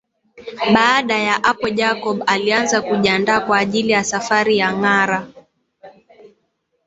Baada yah apo Jacob alianza kujiandaa kwa ajili ya safari ya ngara